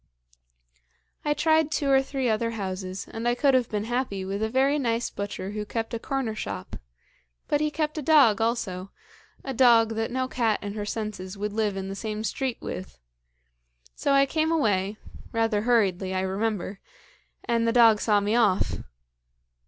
"I tried two or three other houses, and I could have been happy with a very nice butcher who kept a corner shop, but he kept a dog also, a dog that no cat in her senses would live in the same street with; so I came away rather hurriedly, I remember and the dog saw me off.